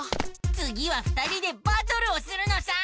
つぎは２人でバトルをするのさ！